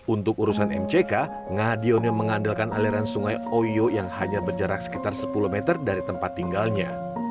untuk urusan mck ngadiono mengandalkan aliran sungai oyo yang hanya berjarak sekitar sepuluh meter dari tempat tinggalnya